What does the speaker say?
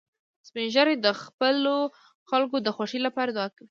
سپین ږیری د خپلو خلکو د خوښۍ لپاره دعا کوي